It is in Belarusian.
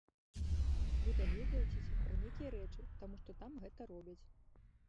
Вы даведваецеся пра нейкія рэчы, таму што там гэта робяць.